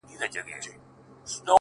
• د پاچا له فقیرانو سره څه دي؟,